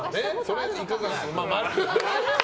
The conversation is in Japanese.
いかがですか？